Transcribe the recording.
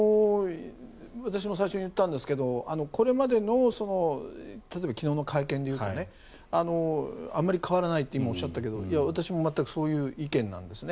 私も最初に言ったんですがこれまでの例えば昨日の会見でいうとあんまり変わらないって今、おっしゃったけど私も全くそういう意見なんですね。